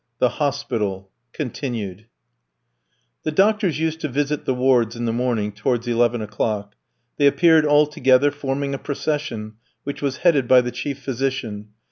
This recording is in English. THE HOSPITAL (continued). The doctors used to visit the wards in the morning, towards eleven o'clock; they appeared all together, forming a procession, which was headed by the chief physician.